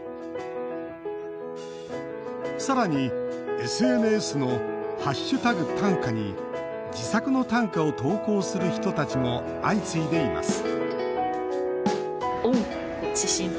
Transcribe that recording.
さらに、ＳＮＳの「＃短歌」に自作の短歌を投稿する人たちも相次いでいます